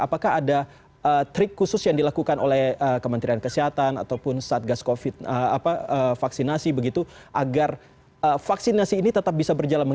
apakah ada trik khusus yang dilakukan oleh kementerian kesehatan ataupun satgas covid vaksinasi begitu agar vaksinasi ini tetap bisa berjalan